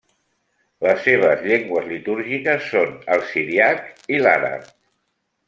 Les seves llengües litúrgiques són el siríac i l'àrab.